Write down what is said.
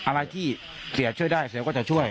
อะไรที่เสียช่วยได้เสียก็จะช่วย